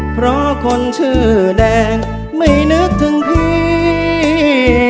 เพราะคนชื่อแดงไม่นึกถึงพี่